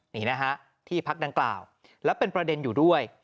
นี่นะฮะที่พักดังกล่าวแล้วเป็นประเด็นอยู่ด้วย